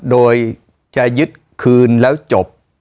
โดยจะยึดคืนแล้วจบ